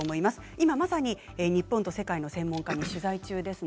今まさに、日本と世界の専門家に取材中です。